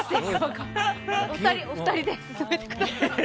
お二人で進めてください。